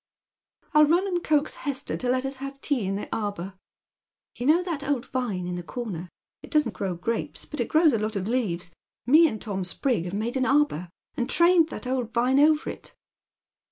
I'll run and coax Hester to let us have tea in the arbour. You know that old vine in the corner ; it doesn't grow grapes, but it grows lota of leaves ; me and Tom Sprig have made an arbour, and trained that old vino over it."